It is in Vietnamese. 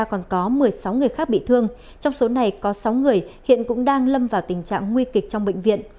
còn có một mươi sáu người khác bị thương trong số này có sáu người hiện cũng đang lâm vào tình trạng nguy kịch trong bệnh viện